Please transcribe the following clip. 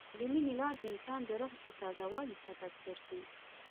د مینې لار د انسان د روح د تازه والي سبب ګرځي.